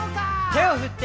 「手を振って」